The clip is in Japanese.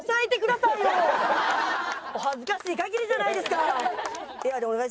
お恥ずかしい限りじゃないですか。